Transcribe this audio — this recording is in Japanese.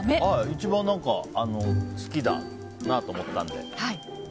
一番、好きだなと思ったので。